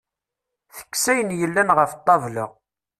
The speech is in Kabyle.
Tekkes ayen yellan ɣef ṭṭabla.